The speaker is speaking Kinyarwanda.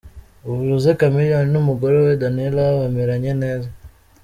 Ubu Jose Chameleone n'umugore we Daniella bameranye neza.